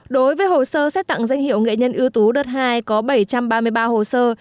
đối với hồ sơ xét tặng danh hiệu nghệ nhân ưu tú đợt hai có bảy trăm ba mươi ba hồ sơ